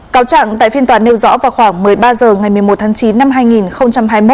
cáo trạng tại phiên tòa nêu rõ vào khoảng một mươi ba h ngày một mươi một tháng chín năm hai nghìn hai mươi một